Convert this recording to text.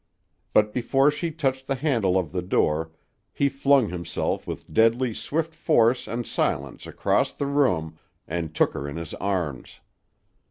But before she touched the handle of the door, he flung himself with deadly, swift force and silence across the room and took her in his arms.